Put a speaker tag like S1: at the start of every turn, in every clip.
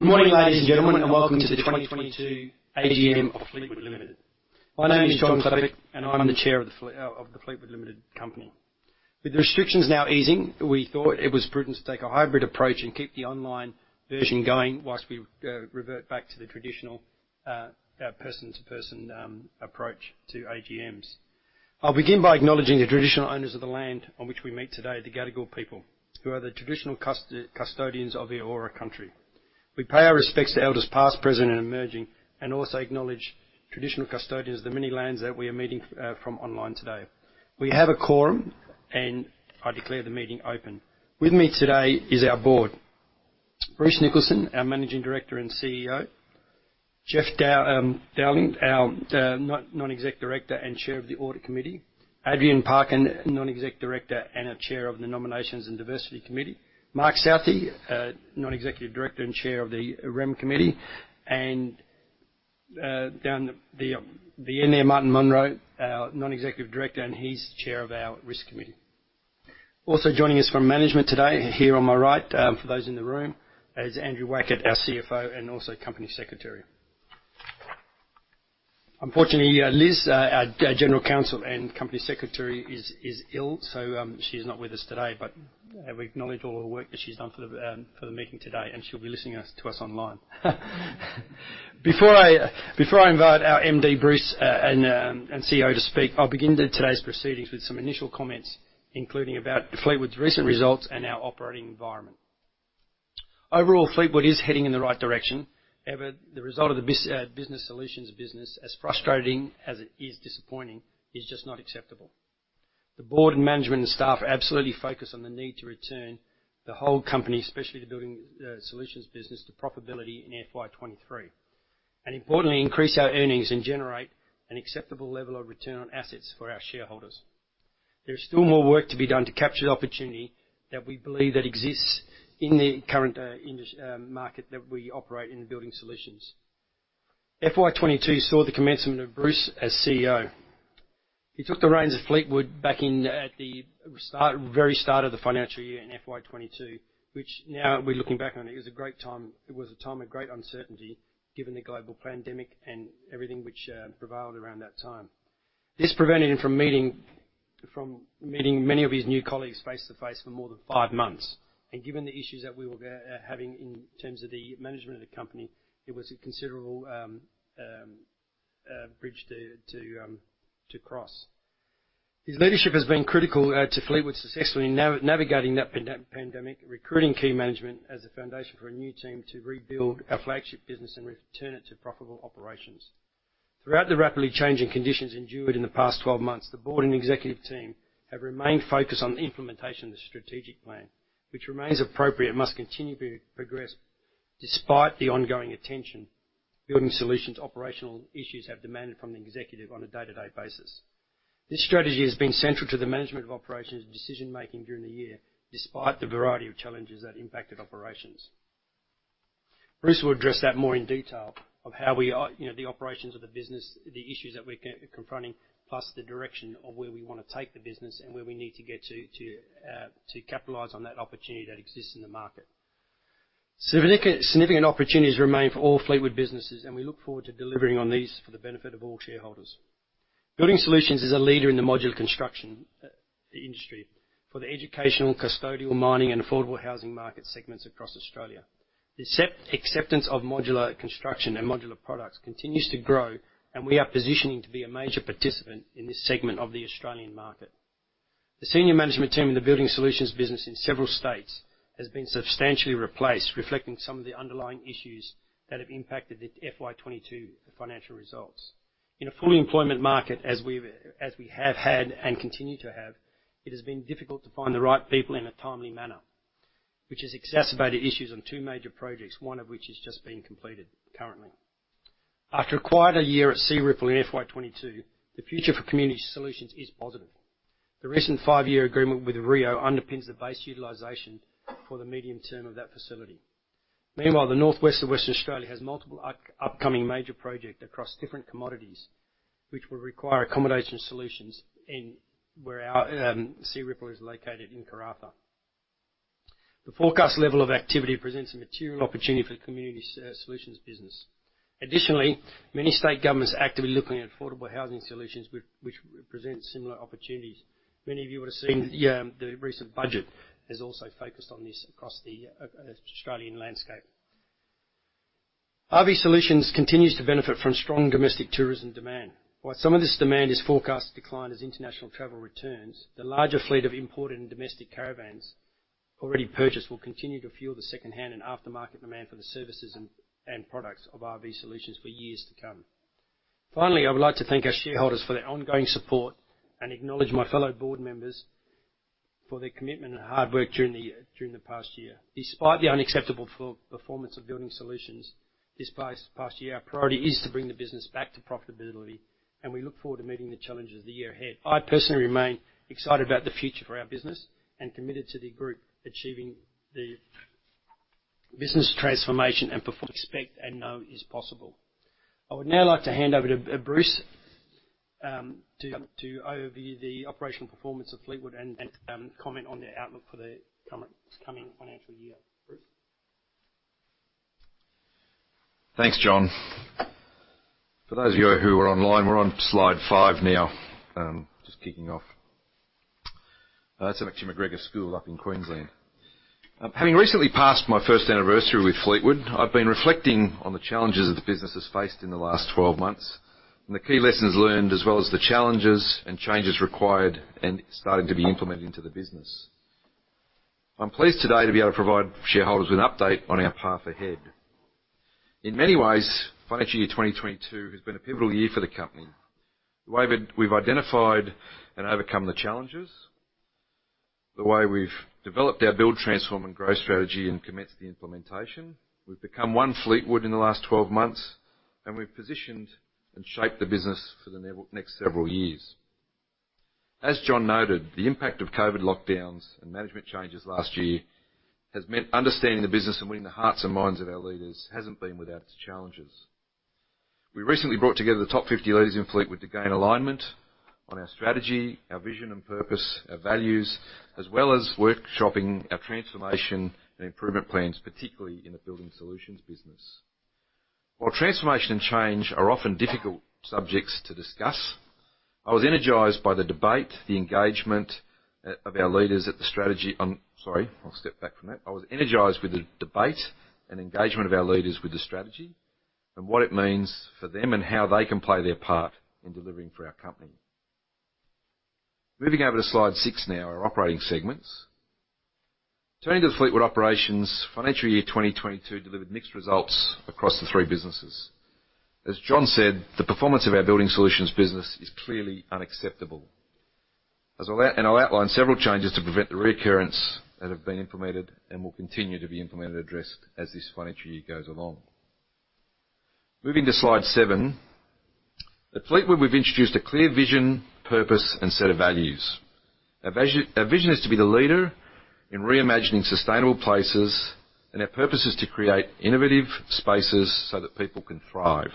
S1: Good morning, ladies and gentlemen, and welcome to the 2022 AGM of Fleetwood Limited. My name is John Klepec, and I'm the chair of the Fleetwood Limited company. With restrictions now easing, we thought it was prudent to take a hybrid approach and keep the online version going while we revert back to the traditional person-to-person approach to AGMs. I'll begin by acknowledging the traditional owners of the land on which we meet today, the Gadigal people, who are the traditional custodians of the Eora country. We pay our respects to elders past, present, and emerging, and also acknowledge traditional custodians of the many lands that we are meeting from online today. We have a quorum, and I declare the meeting open. With me today is our board. Bruce Nicholson, our Managing Director and CEO. Jeff Dowling, our non-exec director and chair of the audit committee. Adrienne Parker, non-exec director and our chair of the Nominations and Diversity Committee. Mark Southey, non-executive director and chair of the Remuneration committee, and down the end there, Martin Monro, our non-executive director, and he is chair of our risk committee. Also joining us from management today, here on my right, for those in the room, is Andrew Wackett, our CFO and also company secretary. Unfortunately, Liz our general counsel and company secretary is ill, so she is not with us today, but we acknowledge all the work that she has done for the meeting today, and she will be listening to us online. Before I invite our MD Bruce, and CEO to speak, I'll begin today's proceedings with some initial comments, including about Fleetwood's recent results and our operating environment. Overall, Fleetwood is heading in the right direction. However, the result of the Building Solutions business, as frustrating as it is disappointing, is just not acceptable. The board and management and staff are absolutely focused on the need to return the whole company, especially the Building Solutions business, to profitability in FY23, and importantly, increase our earnings and generate an acceptable level of return on assets for our shareholders. There is still more work to be done to capture the opportunity that we believe that exists in the current market that we operate in Building Solutions. FY22 saw the commencement of Bruce as CEO. He took the reins of Fleetwood back in at the start, very start of the financial year in FY22, which now we're looking back on it was a great time. It was a time of great uncertainty given the global pandemic and everything which prevailed around that time. This prevented him from meeting many of his new colleagues face-to-face for more than five months. Given the issues that we were having in terms of the management of the company, it was a considerable bridge to cross. His leadership has been critical to Fleetwood successfully navigating that pandemic, recruiting key management as the foundation for a new team to rebuild our flagship business and return it to profitable operations. Throughout the rapidly changing conditions endured in the past 12 months, the board and executive team have remained focused on the implementation of the strategic plan, which remains appropriate and must continue to be progressed despite the ongoing attention Building Solutions' operational issues have demanded from the executive on a day-to-day basis. This strategy has been central to the management of operations and decision-making during the year, despite the variety of challenges that impacted operations. Bruce will address that more in detail of how we are, you know, the operations of the business, the issues that we're confronting, plus the direction of where we wanna take the business and where we need to get to capitalize on that opportunity that exists in the market. Significant opportunities remain for all Fleetwood businesses, and we look forward to delivering on these for the benefit of all shareholders. Building Solutions is a leader in the modular construction, the industry for the educational, custodial, mining, and affordable housing market segments across Australia. The acceptance of modular construction and modular products continues to grow, and we are positioned to be a major participant in this segment of the Australian market. The senior management team in the Building Solutions business in several states has been substantially replaced, reflecting some of the underlying issues that have impacted the FY22 financial results. In a full employment market, as we have had and continue to have, it has been difficult to find the right people in a timely manner, which has exacerbated issues on two major projects, one of which has just been completed currently. After a quieter year at Searipple in FY22, the future for Community Solutions is positive. The recent five-year agreement with Rio Tinto underpins the base utilization for the medium term of that facility. Meanwhile, the northwest of Western Australia has multiple upcoming major projects across different commodities, which will require accommodation solutions where our Searipple is located in Karratha. The forecast level of activity presents a material opportunity for the Community Solutions business. Additionally, many state governments are actively looking at affordable housing solutions which present similar opportunities. Many of you would have seen the recent budget is also focused on this across the Australian landscape. RV Solutions continues to benefit from strong domestic tourism demand. While some of this demand is forecast to decline as international travel returns, the larger fleet of imported and domestic caravans already purchased will continue to fuel the second-hand and aftermarket demand for the services and products of RV Solutions for years to come. Finally, I would like to thank our shareholders for their ongoing support and acknowledge my fellow board members for their commitment and hard work during the past year. Despite the unacceptable performance of Building Solutions this past year, our priority is to bring the business back to profitability, and we look forward to meeting the challenges of the year ahead. I personally remain excited about the future for our business and committed to the group achieving the business transformation and expect and know is possible. I would now like to hand over to Bruce to overview the operational performance of Fleetwood and comment on their outlook for the coming financial year. Bruce?
S2: Thanks John. For those of you who are online, we're on slide five now. Just kicking off. That's actually MacGregor School up in Queensland. Having recently passed my first anniversary with Fleetwood, I've been reflecting on the challenges that the business has faced in the last 12 months, and the key lessons learned, as well as the challenges and changes required and starting to be implemented into the business. I'm pleased today to be able to provide shareholders with an update on our path ahead. In many ways, financial year 2022 has been a pivotal year for the company. The way that we've identified and overcome the challenges, the way we've developed our build, transform, and grow strategy and commenced the implementation. We've become one Fleetwood in the last 12 months, and we've positioned and shaped the business for the next several years. As John noted, the impact of COVID lockdowns and management changes last year has meant understanding the business and winning the hearts and minds of our leaders hasn't been without its challenges. We recently brought together the top 50 leaders in Fleetwood to gain alignment on our strategy, our vision and purpose, our values, as well as workshopping our transformation and improvement plans, particularly in the Building Solutions business. While transformation and change are often difficult subjects to discuss, I was energized with the debate and engagement of our leaders with the strategy and what it means for them and how they can play their part in delivering for our company. Moving over to slide six now, our operating segments. Turning to the Fleetwood operations, financial year 2022 delivered mixed results across the three businesses. As John said, the performance of our building solutions business is clearly unacceptable. I'll outline several changes to prevent the reoccurrence that have been implemented and will continue to be implemented, addressed as this financial year goes along. Moving to slide seven. At Fleetwood, we've introduced a clear vision, purpose, and set of values. Our vision is to be the leader in reimagining sustainable places, and our purpose is to create innovative spaces so that people can thrive.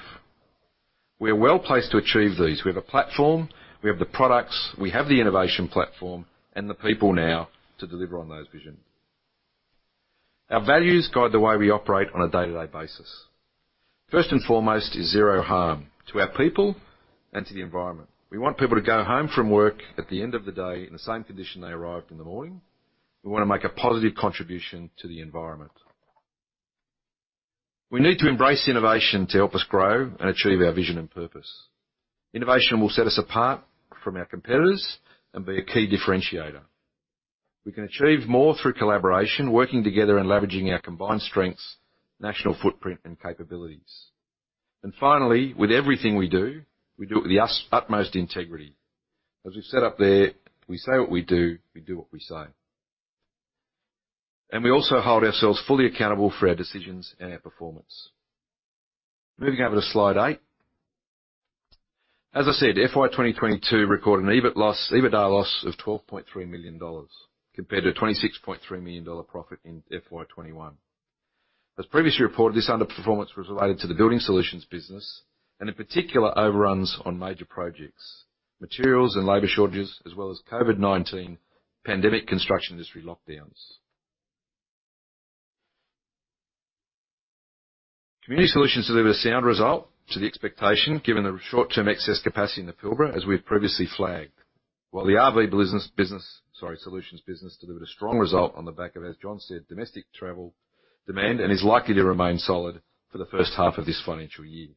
S2: We are well-placed to achieve these. We have a platform, we have the products, we have the innovation platform, and the people now to deliver on those vision. Our values guide the way we operate on a day-to-day basis. First and foremost is zero harm to our people and to the environment. We want people to go home from work at the end of the day in the same condition they arrived in the morning. We want to make a positive contribution to the environment. We need to embrace innovation to help us grow and achieve our vision and purpose. Innovation will set us apart from our competitors and be a key differentiator. We can achieve more through collaboration, working together and leveraging our combined strengths, national footprint, and capabilities. Finally, with everything we do, we do it with the utmost integrity. As we've said up there, we say what we do, we do what we say. We also hold ourselves fully accountable for our decisions and our performance. Moving over to slide eight. As I said, FY 2022 recorded an EBITDA loss of 12.3 million dollars compared to a 26.3 million dollar profit in FY 2021. As previously reported, this underperformance was related to the Building Solutions business, and in particular, overruns on major projects, materials and labor shortages, as well as COVID-19 pandemic construction industry lockdowns. Community Solutions delivered a sound result to the expectation, given the short-term excess capacity in the Pilbara, as we have previously flagged. While the RV Solutions business delivered a strong result on the back of, as John said, domestic travel demand, and is likely to remain solid for the first half of this financial year.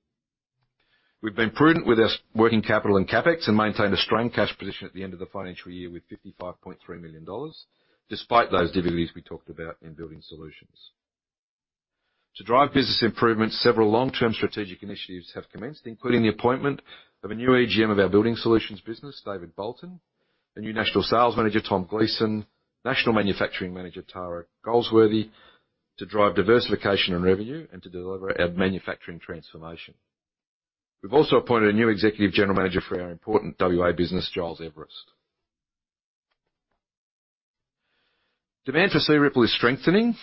S2: We've been prudent with our working capital and CapEx and maintained a strong cash position at the end of the financial year with 55.3 million dollars, despite those difficulties we talked about in Building Solutions. To drive business improvements, several long-term strategic initiatives have commenced, including the appointment of a new AGM of our Building Solutions business, David Bolton, a new National Sales Manager, Tom Gleeson, National Manufacturing Manager, Tara Goldsworthy, to drive diversification and revenue and to deliver our manufacturing transformation. We've also appointed a new executive general manager for our important WA business, Giles Everest. Demand for Searipple is strengthening,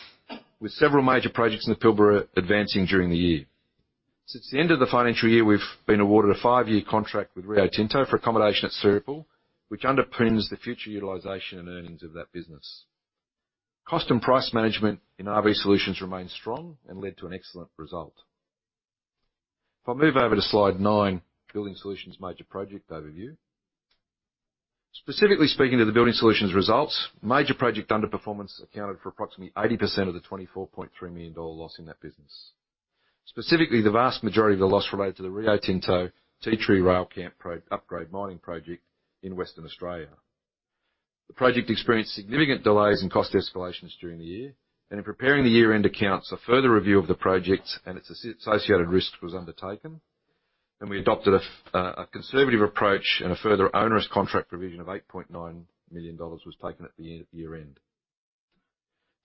S2: with several major projects in the Pilbara advancing during the year. Since the end of the financial year, we've been awarded a five-year contract with Rio Tinto for accommodation at Searipple, which underpins the future utilization and earnings of that business. Cost and price management in RV Solutions remains strong and led to an excellent result. If I move over to slide nine, Building Solutions major project overview. Specifically speaking to the Building Solutions results, major project underperformance accounted for approximately 80% of the 24.3 million dollar loss in that business. Specifically, the vast majority of the loss related to the Rio Tinto Tea Tree Rail camp upgrade mining project in Western Australia. The project experienced significant delays and cost escalations during the year, and in preparing the year-end accounts, a further review of the project and its associated risk was undertaken, and we adopted a conservative approach and a further onerous contract provision of 8.9 million dollars was taken at the year end.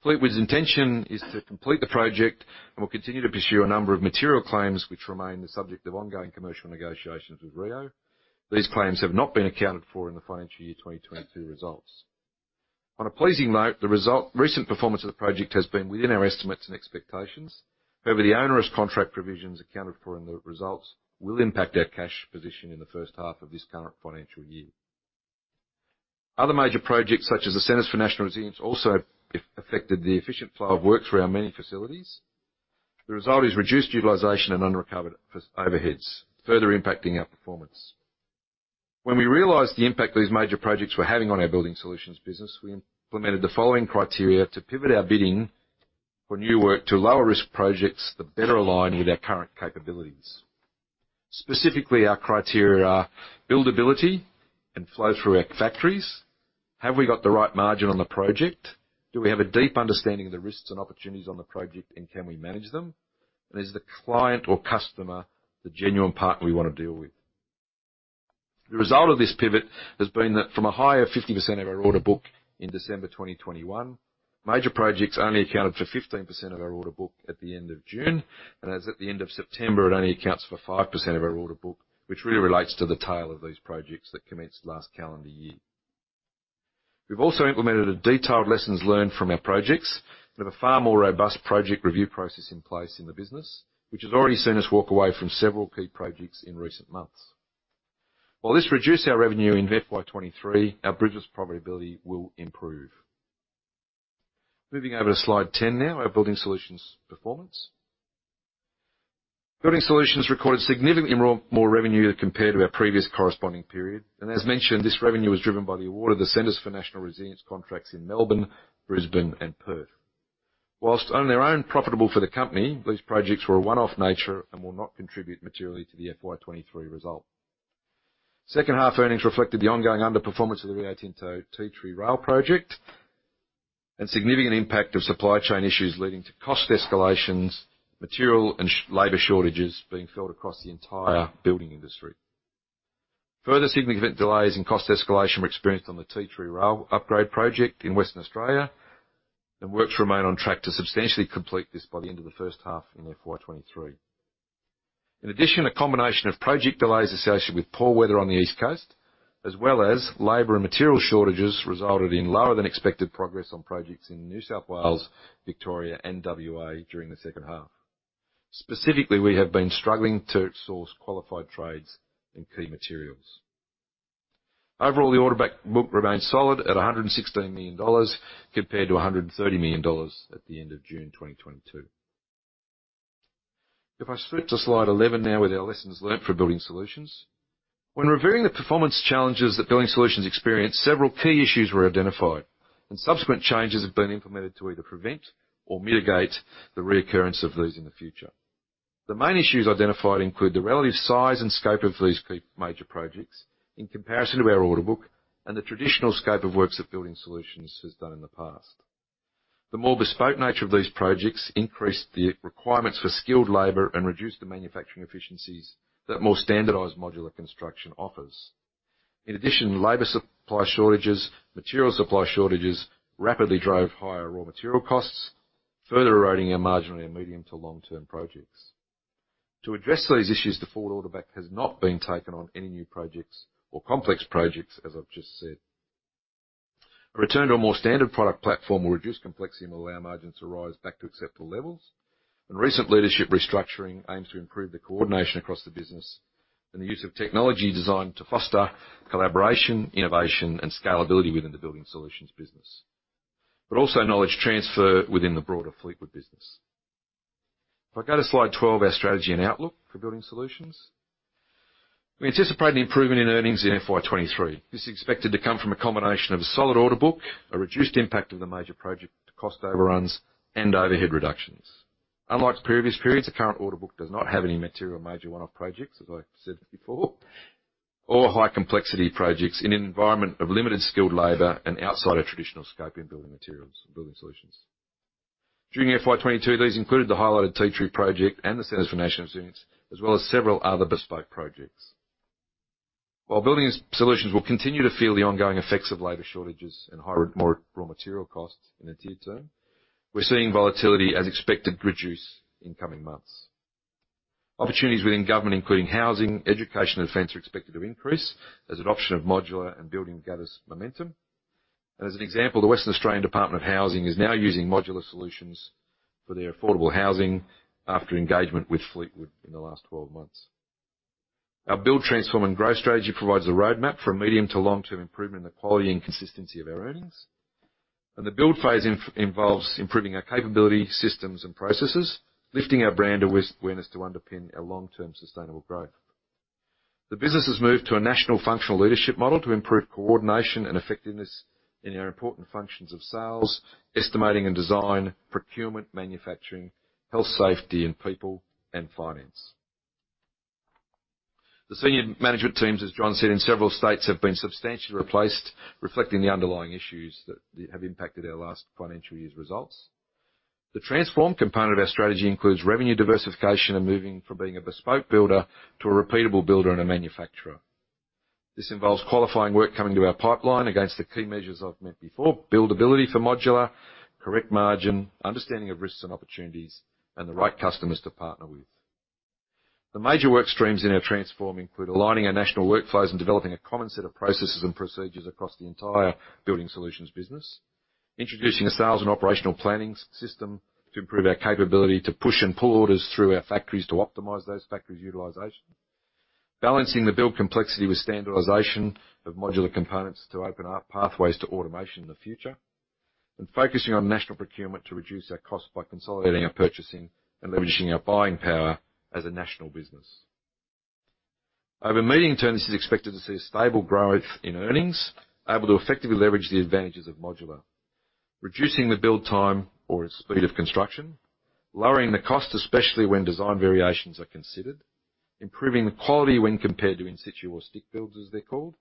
S2: Fleetwood's intention is to complete the project and will continue to pursue a number of material claims which remain the subject of ongoing commercial negotiations with Rio. These claims have not been accounted for in the financial year 2022 results. On a pleasing note, the recent performance of the project has been within our estimates and expectations. However, the owner's contract provisions accounted for in the results will impact our cash position in the first half of this current financial year. Other major projects, such as the Centers for National Resilience, also affected the efficient flow of work through our many facilities. The result is reduced utilization and unrecovered overheads, further impacting our performance. When we realized the impact these major projects were having on our Building Solutions business, we implemented the following criteria to pivot our bidding for new work to lower risk projects that better align with our current capabilities. Specifically, our criteria are buildability and flow through our factories. Have we got the right margin on the project? Do we have a deep understanding of the risks and opportunities on the project, and can we manage them? Is the client or customer the genuine partner we want to deal with? The result of this pivot has been that from a high of 50% of our order book in December 2021, major projects only accounted for 15% of our order book at the end of June. As at the end of September, it only accounts for 5% of our order book, which really relates to the tail of these projects that commenced last calendar year. We've also implemented a detailed lessons learned from our projects and have a far more robust project review process in place in the business, which has already seen us walk away from several key projects in recent months. While this reduced our revenue in FY23, our bridges profitability will improve. Moving over to slide 10 now, our Building Solutions performance. Building Solutions recorded significantly more revenue compared to our previous corresponding period. As mentioned, this revenue was driven by the award of the Centers for National Resilience contracts in Melbourne, Brisbane and Perth. While on their own profitable for the company, these projects were a one-off nature and will not contribute materially to the FY23 result. Second half earnings reflected the ongoing underperformance of the Rio Tinto Tea Tree Rail project and significant impact of supply chain issues leading to cost escalations, material and labor shortages being felt across the entire building industry. Further significant delays and cost escalations were experienced on the Tea Tree Rail Upgrade project in Western Australia, and works remain on track to substantially complete this by the end of the first half in FY23. In addition, a combination of project delays associated with poor weather on the East Coast, as well as labor and material shortages, resulted in lower than expected progress on projects in New South Wales, Victoria and WA during the second half. Specifically, we have been struggling to source qualified trades and key materials. Overall, the order backlog remains solid at 116 million dollars compared to 130 million dollars at the end of June 2022. If I flip to slide 11 now with our lessons learned for Building Solutions. When reviewing the performance challenges that Building Solutions experienced, several key issues were identified and subsequent changes have been implemented to either prevent or mitigate the reoccurrence of those in the future. The main issues identified include the relative size and scope of these key major projects in comparison to our order book and the traditional scope of works that Building Solutions has done in the past. The more bespoke nature of these projects increased the requirements for skilled labor and reduced the manufacturing efficiencies that more standardized modular construction offers. In addition, labor supply shortages, material supply shortages rapidly drove higher raw material costs, further eroding our margin on our medium to long term projects. To address these issues, the forward order book has not been taken on any new projects or complex projects, as I've just said. A return to a more standard product platform will reduce complexity and allow margins to rise back to acceptable levels. Recent leadership restructuring aims to improve the coordination across the business and the use of technology designed to foster collaboration, innovation and scalability within the Building Solutions business, but also knowledge transfer within the broader Fleetwood business. If I go to slide 12, our strategy and outlook for Building Solutions. We anticipate an improvement in earnings in FY23. This is expected to come from a combination of a solid order book, a reduced impact of the major project cost overruns and overhead reductions. Unlike previous periods, the current order book does not have any material major one-off projects, as I've said before, or high complexity projects in an environment of limited skilled labor and outside of traditional scope in building materials and Building Solutions. During FY22, these included the highlighted Tea Tree project and the Centers for National Resilience, as well as several other bespoke projects. While Building Solutions will continue to feel the ongoing effects of labor shortages and higher raw material costs in the near term, we're seeing volatility as expected reduce in coming months. Opportunities within government, including housing, education and defense, are expected to increase as adoption of modular and building gathers momentum. As an example, the Western Australian Department of Housing is now using modular solutions for their affordable housing after engagement with Fleetwood in the last 12 months. Our build, transform and growth strategy provides a roadmap for a medium to long term improvement in the quality and consistency of our earnings. The build phase involves improving our capability, systems and processes, lifting our brand awareness to underpin our long term sustainable growth. The business has moved to a national functional leadership model to improve coordination and effectiveness in our important functions of sales, estimating and design, procurement, manufacturing, health, safety and people and finance. The senior management teams as John said, in several states have been substantially replaced, reflecting the underlying issues that they have impacted our last financial year's results. The transform component of our strategy includes revenue diversification and moving from being a bespoke builder to a repeatable builder and a manufacturer. This involves qualifying work coming to our pipeline against the key measures I've met before buildability for modular, correct margin, understanding of risks and opportunities, and the right customers to partner with. The major work streams in our transform include aligning our national workflows and developing a common set of processes and procedures across the entire Building Solutions business. Introducing a sales and operational planning system to improve our capability to push and pull orders through our factories to optimize those factories' utilization. Balancing the build complexity with standardization of modular components to open up pathways to automation in the future. Focusing on national procurement to reduce our costs by consolidating our purchasing and leveraging our buying power as a national business. Over the medium term, this is expected to see stable growth in earnings, able to effectively leverage the advantages of modular. Reducing the build time or speed of construction, lowering the cost, especially when design variations are considered, improving the quality when compared to in situ or stick builds, as they're called,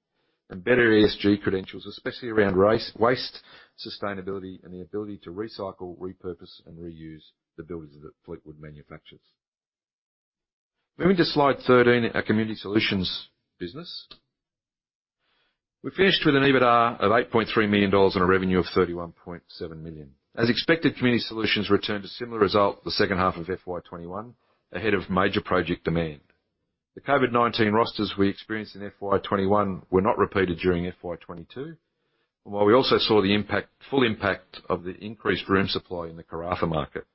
S2: and better ESG credentials, especially around reducing waste, sustainability, and the ability to recycle, repurpose, and reuse the buildings that Fleetwood manufactures. Moving to slide 13, our Community Solutions business. We finished with an EBITDA of 8.3 million dollars on a revenue of 31.7 million. As expected, Community Solutions returned a similar result the second half of FY 2021, ahead of major project demand. The COVID-19 rosters we experienced in FY 2021 were not repeated during FY 2022. While we also saw the impact, full impact of the increased room supply in the Karratha market.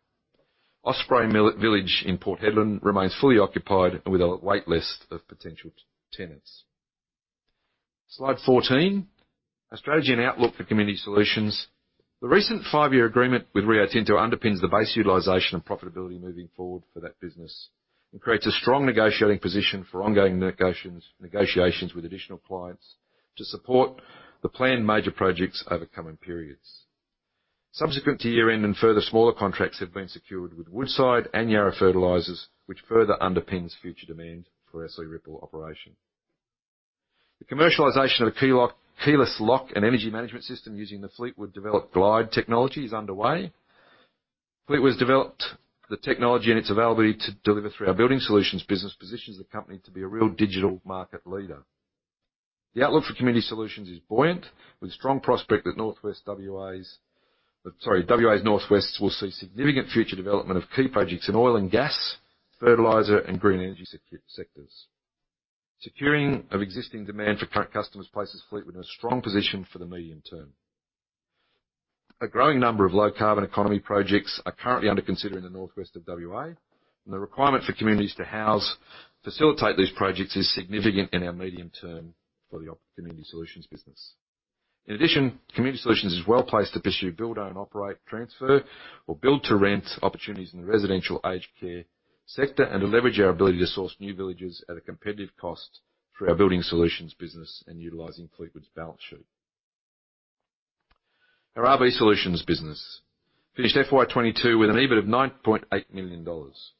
S2: Osprey Village in Port Hedland remains fully occupied and with a wait list of potential tenants. Slide 14. Our strategy and outlook for Community Solutions. The recent five-year agreement with Rio Tinto underpins the base utilization and profitability moving forward for that business and creates a strong negotiating position for ongoing negotiations with additional clients to support the planned major projects over coming periods. Subsequent to year-end, further smaller contracts have been secured with Woodside Energy and Yara Pilbara Fertilisers, which further underpins future demand for Searipple operation. The commercialization of a keyless lock and energy management system using the Fleetwood developed Glide technology is underway. Fleetwood's developed the technology and its availability to deliver through our Building Solutions business positions the company to be a real digital market leader. The outlook for Community Solutions is buoyant, with strong prospect that Northwest WA's. WA's northwest will see significant future development of key projects in oil and gas, fertilizer, and green energy sectors. Securing of existing demand for customers places Fleetwood in a strong position for the medium term. A growing number of low carbon economy projects are currently under consideration in the northwest of WA, and the requirement for communities to house and facilitate these projects is significant in our medium term for the Community Solutions business. Community Solutions is well-placed to pursue build, own, operate, transfer, or build-to-rent opportunities in the residential aged care sector and to leverage our ability to source new villages at a competitive cost through our Building Solutions business and utilizing Fleetwood's balance sheet. Our RV Solutions business finished FY22 with an EBIT of 9.8 million dollars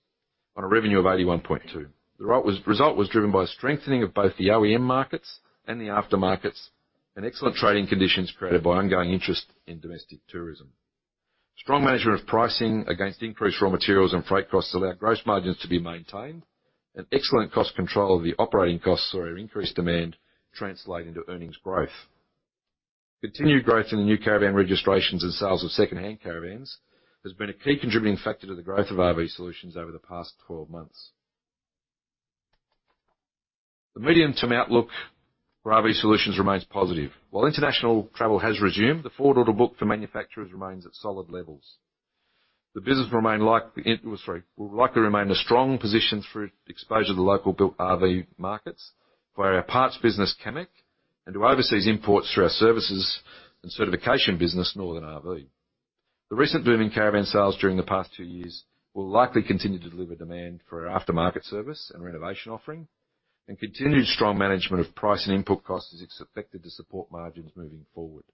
S2: on a revenue of 81.2 million. The result was driven by a strengthening of both the OEM markets and the aftermarkets and excellent trading conditions created by ongoing interest in domestic tourism. Strong measure of pricing against increased raw materials and freight costs allowed gross margins to be maintained and excellent cost control of the operating costs saw our increased demand translate into earnings growth. Continued growth in the new caravan registrations and sales of second-hand caravans has been a key contributing factor to the growth of RV Solutions over the past 12 months. The medium-term outlook for RV Solutions remains positive. While international travel has resumed, the forward order book for manufacturers remains at solid levels. The business will likely remain in a strong position through exposure to the local built RV markets via our parts business, Camec, and to overseas imports through our services and certification business, Northern RV. The recent boom in caravan sales during the past two years will likely continue to deliver demand for our aftermarket service and renovation offering, and continued strong management of price and input cost is expected to support margins moving forward.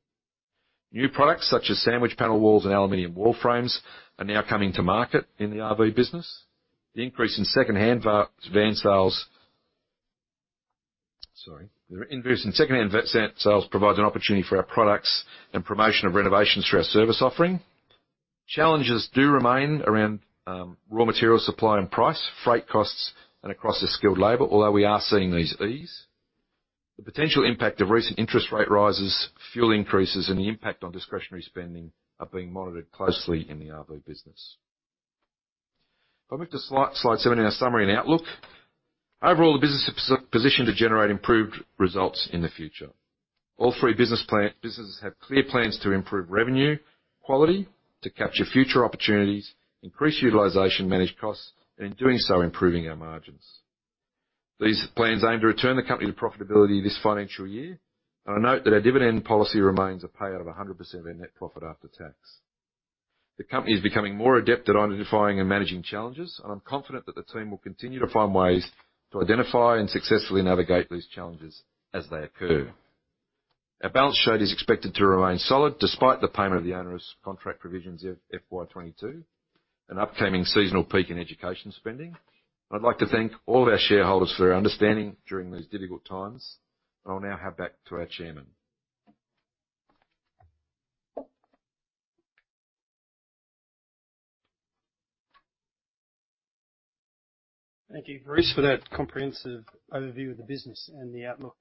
S2: New products such as sandwich panel walls and aluminum wall frames are now coming to market in the RV business. The increase in second-hand van sales provides an opportunity for our products and promotion of renovations through our service offering. Challenges do remain around raw material supply and price, freight costs, and across the skilled labor. Although we are seeing these ease. The potential impact of recent interest rate rises, fuel increases, and the impact on discretionary spending are being monitored closely in the RV business. If I move to slide 17, our summary and outlook. Overall, the business is positioned to generate improved results in the future. All three businesses have clear plans to improve revenue, quality, to capture future opportunities, increase utilization, manage costs, and in doing so, improving our margins. These plans aim to return the company to profitability this financial year, and I note that our dividend policy remains a payout of 100% of our net profit after tax. The company is becoming more adept at identifying and managing challenges, and I'm confident that the team will continue to find ways to identify and successfully navigate these challenges as they occur. Our balance sheet is expected to remain solid despite the payment of the onerous contract provisions in FY22, an upcoming seasonal peak in education spending. I'd like to thank all of our shareholders for their understanding during these difficult times. I'll now hand back to our Chairman.
S1: Thank you Bruce, for that comprehensive overview of the business and the outlook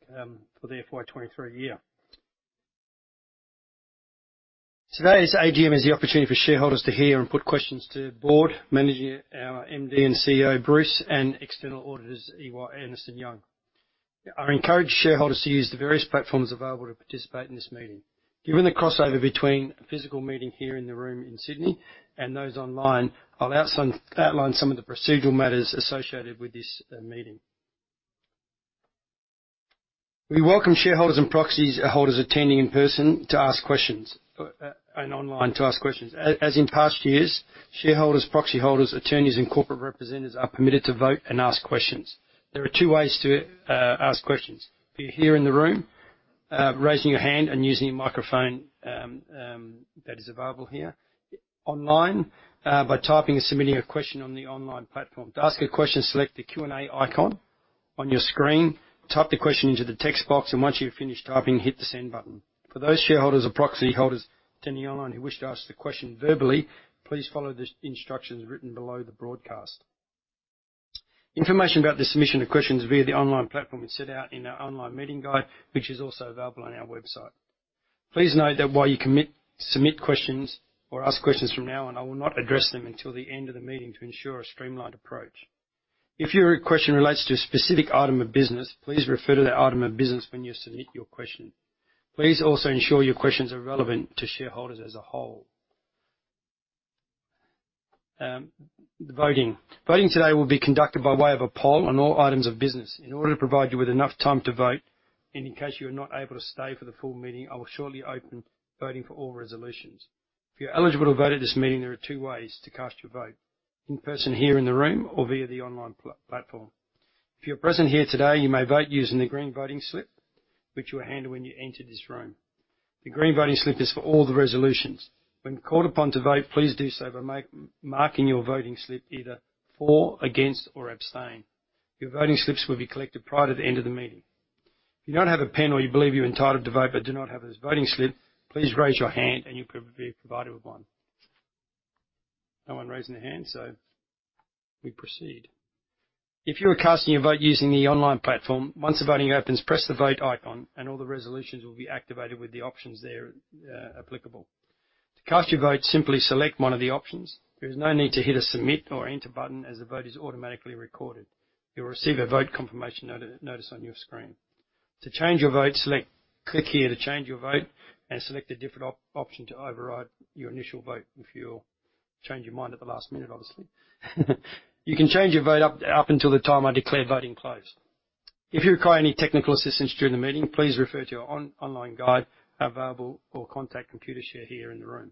S1: for the FY23 year. Today's AGM is the opportunity for shareholders to hear and put questions to the Board, our MD and CEO, Bruce, and external auditors, EY, Ernst & Young. I encourage shareholders to use the various platforms available to participate in this meeting. Given the crossover between physical meeting here in the room in Sydney and those online, I'll outline some of the procedural matters associated with this meeting. We welcome shareholders and proxy holders attending in person to ask questions and online to ask questions. As in past years, shareholders, proxy holders, attorneys, and corporate representatives are permitted to vote and ask questions. There are two ways to ask questions. If you're here in the room, raising your hand and using a microphone that is available here. Online, by typing and submitting a question on the online platform. To ask a question, select the Q&A icon on your screen, type the question into the text box, and once you've finished typing, hit the Send button. For those shareholders or proxy holders attending online who wish to ask the question verbally, please follow the instructions written below the broadcast. Information about the submission of questions via the online platform is set out in our online meeting guide, which is also available on our website. Please note that while you submit questions or ask questions from now on, I will not address them until the end of the meeting to ensure a streamlined approach. If your question relates to a specific item of business, please refer to that item of business when you submit your question. Please also ensure your questions are relevant to shareholders as a whole. Voting today will be conducted by way of a poll on all items of business. In order to provide you with enough time to vote, and in case you are not able to stay for the full meeting, I will shortly open voting for all resolutions. If you're eligible to vote at this meeting, there are two ways to cast your vote: in person here in the room or via the online platform. If you're present here today, you may vote using the green voting slip, which you were handed when you entered this room. The green voting slip is for all the resolutions. When called upon to vote, please do so by marking your voting slip either for, against, or abstain. Your voting slips will be collected prior to the end of the meeting. If you don't have a pen or you believe you're entitled to vote but do not have a voting slip, please raise your hand and you'll be provided with one. No one raising their hand, so we proceed. If you are casting your vote using the online platform, once the voting opens, press the Vote icon and all the resolutions will be activated with the options there, applicable. To cast your vote, simply select one of the options. There is no need to hit a Submit or Enter button as the vote is automatically recorded. You'll receive a vote confirmation notice on your screen. To change your vote, select click here to change your vote and select a different option to override your initial vote if you'll change your mind at the last minute, obviously. You can change your vote up until the time I declare voting closed. If you require any technical assistance during the meeting, please refer to our online guide available or contact Computershare here in the room.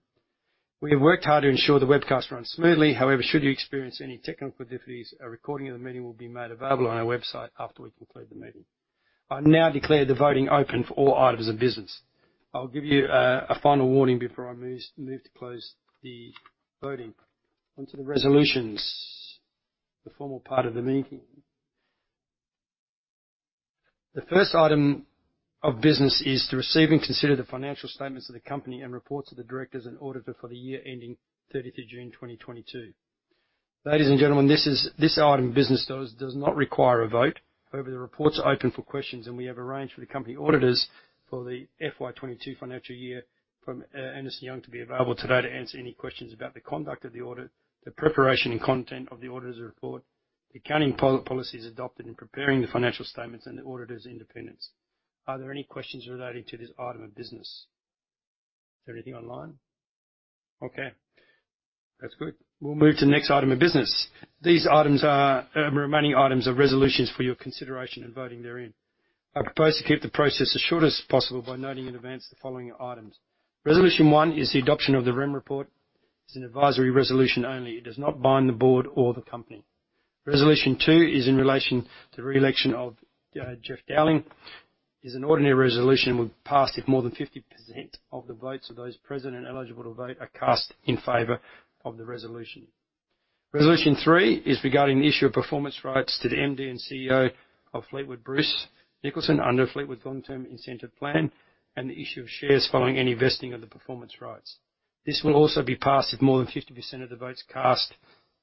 S1: We have worked hard to ensure the webcast runs smoothly. However, should you experience any technical difficulties, a recording of the meeting will be made available on our website after we conclude the meeting. I now declare the voting open for all items of business. I'll give you a final warning before I move to close the voting. Onto the resolutions, the formal part of the meeting. The first item of business is to receive and consider the financial statements of the company and reports of the directors and auditor for the year ending June 30th, 2022. Ladies and gentlemen, this item of business does not require a vote. However, the report's open for questions, and we have arranged for the company auditors for the FY22 financial year from Ernst & Young to be available today to answer any questions about the conduct of the audit, the preparation and content of the auditor's report, the accounting policies adopted in preparing the financial statements, and the auditor's independence. Are there any questions relating to this item of business? Is there anything online? Okay. That's good. We'll move to the next item of business. These are the remaining items of resolutions for your consideration and voting therein. I propose to keep the process as short as possible by noting in advance the following items. Resolution one is the adoption of the Remuneration Report. It's an advisory resolution only. It does not bind the board or the company. Resolution 2 is in relation to re-election of Jeff Dowling. It is an ordinary resolution and would pass if more than 50% of the votes of those present and eligible to vote are cast in favor of the resolution. Resolution three is regarding the issue of performance rights to the MD and CEO of Fleetwood, Bruce Nicholson, under Fleetwood's long-term incentive plan, and the issue of shares following any vesting of the performance rights. This will also be passed if more than 50% of the votes cast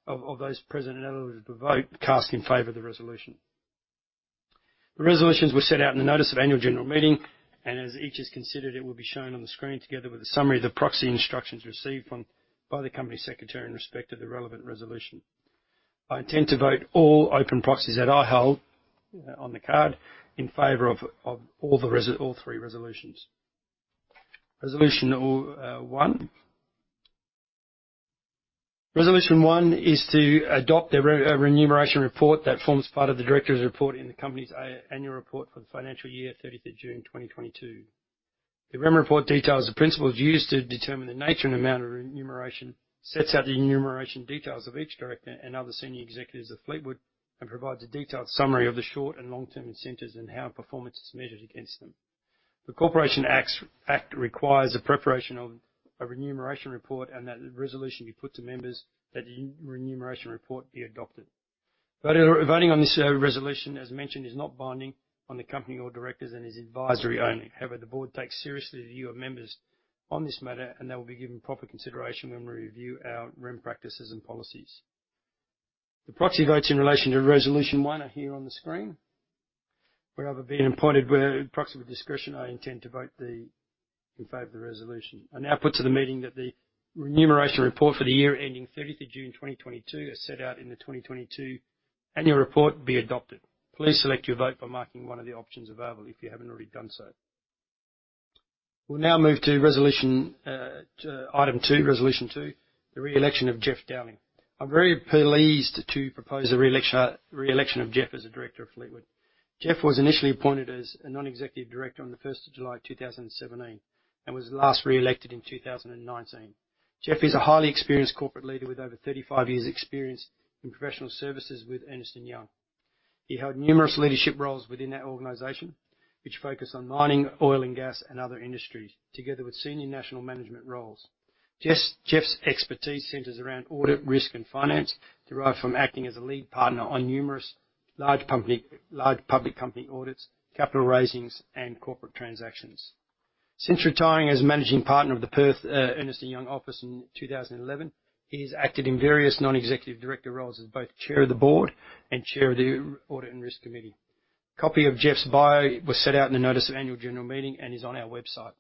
S1: by those present and eligible to vote are cast in favor of the resolution. The resolutions were set out in the notice of annual general meeting, and as each is considered, it will be shown on the screen together with a summary of the proxy instructions received by the Company Secretary in respect of the relevant resolution. I intend to vote all open proxies that I hold on the card in favor of all three resolutions. Resolution 1. Resolution 1 is to adopt the remuneration report that forms part of the directors' report in the company's annual report for the financial year June 30th, 2022. The remuneration report details the principles used to determine the nature and amount of remuneration, sets out the remuneration details of each director and other senior executives of Fleetwood, and provides a detailed summary of the short and long-term incentives and how performance is measured against them. The Corporations Act requires the preparation of a remuneration report and that resolution be put to members that the remuneration report be adopted. Voting on this resolution, as mentioned, is not binding on the company or directors and is advisory only. However, the board takes seriously the view of members on this matter, and they will be given proper consideration when we review our remuneration practices and policies. The proxy votes in relation to resolution 1 are here on the screen. Where I've been appointed as proxy with discretion, I intend to vote in favor of the resolution. I now put to the meeting that the remuneration report for the year ending June 30th, 2022 as set out in the 2022 annual report be adopted. Please select your vote by marking one of the options available if you haven't already done so. We'll now move to resolution to item two, resolution 2, the re-election of Jeff Dowling. I'm very pleased to propose the re-election of Jeff as a director of Fleetwood. Jeff was initially appointed as a non-executive director on the July 1st, 2017 and was last re-elected in 2019. Jeff is a highly experienced corporate leader with over 35 years' experience in professional services with Ernst & Young. He held numerous leadership roles within that organization, which focus on mining, oil and gas and other industries, together with senior national management roles. Jeff's expertise centers around audit, risk, and finance derived from acting as a lead partner on numerous large public company audits, capital raisings, and corporate transactions. Since retiring as managing partner of the Perth Ernst & Young office in 2011, he has acted in various non-executive director roles as both chair of the board and chair of the Audit and Risk Committee. A copy of Jeff's bio was set out in the notice of annual general meeting and is on our website.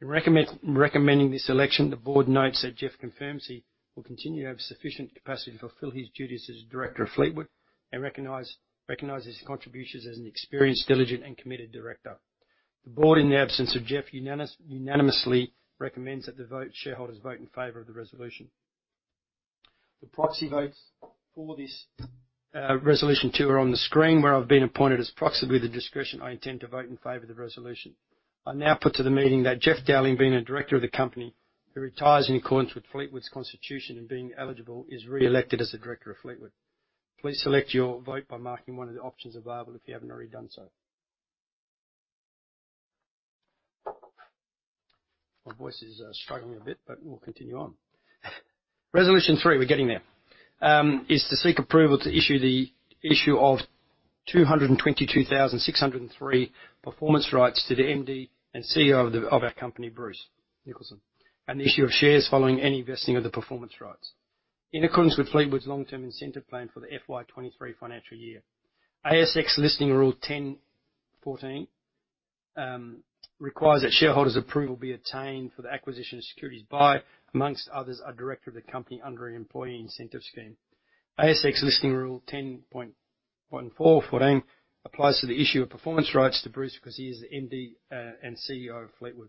S1: In recommending this election, the board notes that Jeff confirms he will continue to have sufficient capacity to fulfill his duties as director of Fleetwood and recognizes his contributions as an experienced, diligent, and committed director. The board, in the absence of Jeff, unanimously recommends that shareholders vote in favor of the resolution. The proxy votes for this resolution 2 are on the screen. Where I've been appointed as proxy with the discretion, I intend to vote in favor of the resolution. I now put to the meeting that Jeff Dowling, being a director of the company, who retires in accordance with Fleetwood's constitution and being eligible, is re-elected as the director of Fleetwood. Please select your vote by marking one of the options available if you haven't already done so. My voice is struggling a bit, but we'll continue on. Resolution three, we're getting there, is to seek approval to issue 222,603 performance rights to the MD and CEO of our company Bruce Nicholson, an issue of shares following any vesting of the performance rights. In accordance with Fleetwood's long-term incentive plan for the FY23 financial year. ASX Listing Rule 10.14 requires that shareholders' approval be obtained for the acquisition of securities by, among others, a director of the company under an employee incentive scheme. ASX Listing Rule 10.14 applies to the issue of performance rights to Bruce because he is the MD and CEO of Fleetwood.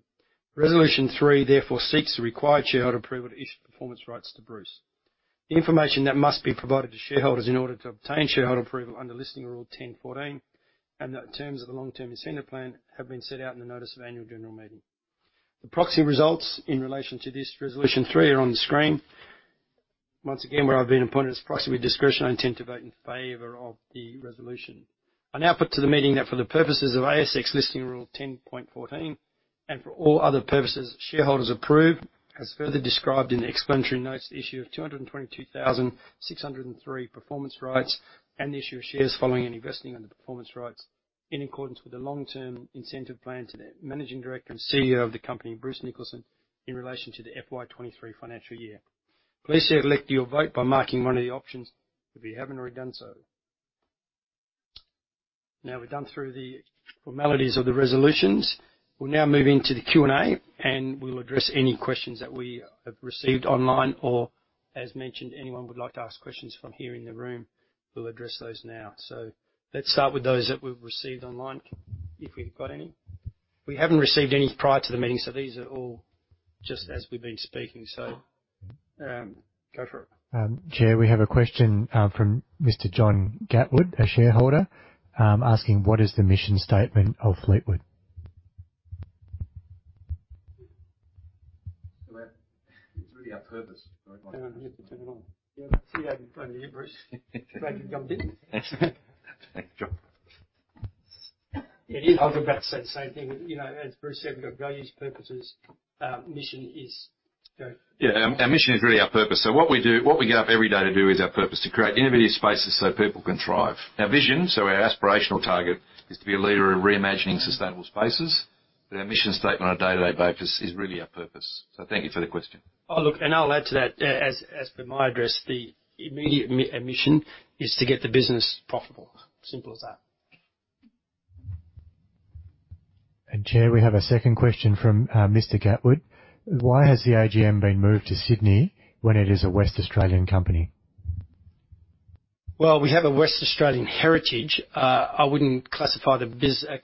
S1: Resolution 3 therefore seeks the required shareholder approval to issue performance rights to Bruce. The information that must be provided to shareholders in order to obtain shareholder approval under Listing Rule 10.14 and the terms of the long-term incentive plan have been set out in the notice of annual general meeting. The proxy results in relation to this resolution 3 are on the screen. Once again, where I've been appointed as proxy with discretion, I intend to vote in favor of the resolution. I now put to the meeting that for the purposes of ASX Listing Rule 10.14, and for all other purposes, shareholders approve, as further described in the explanatory notes, the issue of 222,603 performance rights and the issue of shares following any vesting on the performance rights in accordance with the long-term incentive plan to the Managing Director and CEO of the company, Bruce Nicholson, in relation to the FY23 financial year. Please select your vote by marking one of the options if you haven't already done so. Now we've gone through the formalities of the resolutions. We'll now move into the Q&A, and we'll address any questions that we have received online or as mentioned, anyone would like to ask questions from here in the room, we'll address those now. Let's start with those that we've received online, if we've got any. We haven't received any prior to the meeting, so these are all just as we've been speaking. Go for it.
S3: Chair, we have a question from Mr. John Gatwood, a shareholder, asking: What is the mission statement of Fleetwood?
S1: That is really our purpose. Turn it on. You have to turn it on. Yeah. See over to you Bruce. Glad you jumped in.
S2: ThanksJohn.
S1: Yeah. I was about to say the same thing. You know, as Bruce said, we've got values, purposes. Our mission is. Go for it.
S2: Yeah. Our mission is really our purpose. What we do, what we get up every day to do is our purpose, to create innovative spaces so people can thrive. Our vision, so our aspirational target, is to be a leader in reimagining sustainable spaces. Our mission statement on a day-to-day basis is really our purpose. Thank you for the question. Oh, look, I'll add to that. As for my address, the immediate mission is to get the business profitable. Simple as that.
S3: Chair, we have a second question from Mr. Gatwood: Why has the GM been moved to Sydney when it is a Western Australian company?
S1: Well, we have a Western Australian heritage. I wouldn't classify the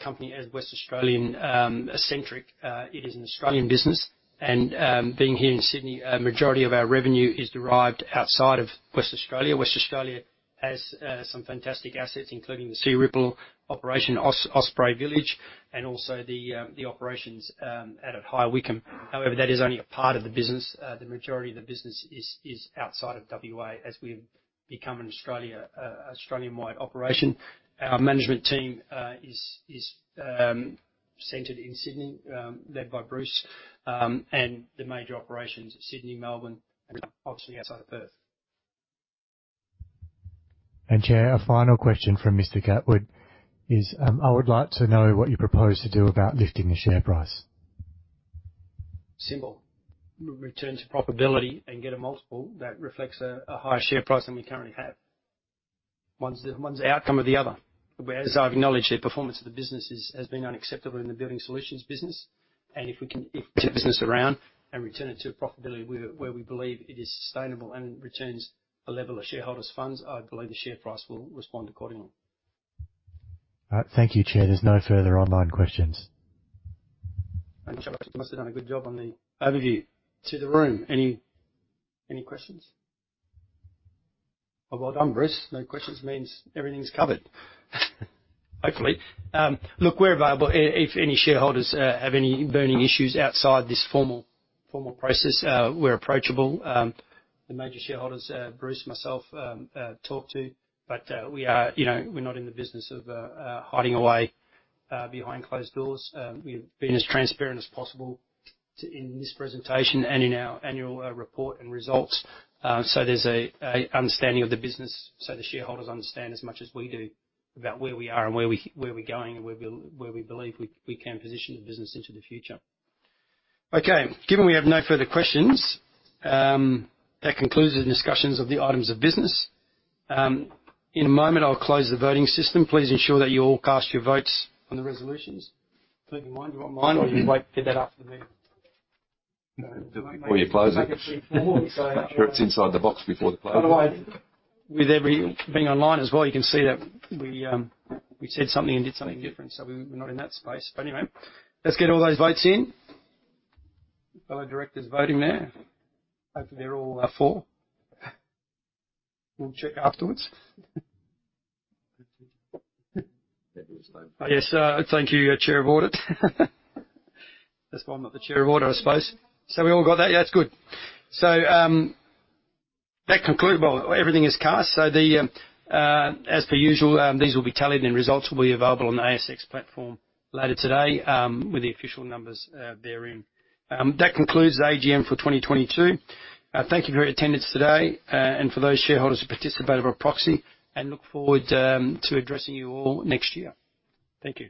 S1: company as Western Australian-centric. It is an Australian business. Being here in Sydney, a majority of our revenue is derived outside of Western Australia. Western Australia has some fantastic assets, including the Searipple Village operation, Osprey Village, and also the operations out at High Wycombe. However, that is only a part of the business. The majority of the business is outside of WA as we've become an Australian-wide operation. Our management team is centered in Sydney, led by Bruce, and the major operations Sydney, Melbourne, and obviously outside of Perth.
S3: Chair, a final question from Mr. Gatwood is: I would like to know what you propose to do about lifting the share price.
S1: Return to profitability and get a multiple that reflects a higher share price than we currently have. One's the outcome of the other. Whereas I've acknowledged that performance of the business has been unacceptable in the Building Solutions business, and if we can turn the business around and return it to a profitability where we believe it is sustainable and returns a level of shareholders funds, I believe the share price will respond accordingly.
S3: Thank you Chair. There's no further online questions.
S1: I must have done a good job on the overview. To the room, any questions? Well done Bruce. No questions means everything's covered. Hopefully. Look, we're available if any shareholders have any burning issues outside this formal process, we're approachable. The major shareholders, Bruce and myself, but we are, you know, we're not in the business of hiding away behind closed doors. We've been as transparent as possible in this presentation and in our annual report and results, so there's an understanding of the business, so the shareholders understand as much as we do about where we are and where we're going and where we believe we can position the business into the future. Okay. Given we have no further questions, that concludes the discussions of the items of business. In a moment, I'll close the voting system. Please ensure that you all cast your votes on the resolutions. Including mine. You want mine, or you can wait to get that after the.
S2: Before you close it. Make sure it's inside the box before you close it.
S1: By the way, with every being online as well, you can see that we said something and did something different, so we're not in that space. Anyway, let's get all those votes in. Fellow directors voting there. Hopefully they're all for. We'll check afterwards. Yes, thank you, Chair of Audit. That's why I'm not the Chair of Audit, I suppose. We all got that? Yeah, that's good. Well, everything is cast, so the, as per usual, these will be tallied and results will be available on the ASX platform later today, with the official numbers, therein. That concludes the GM for 2022. Thank you for your attendance today, and for those shareholders who participated by proxy, and look forward to addressing you all next year. Thank you.